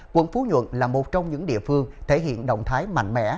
quận phú nhuận là một trong những địa phương thể hiện động thái mạnh mẽ